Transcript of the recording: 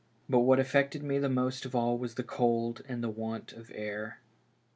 But what affected me most of all was the cold and the want of air.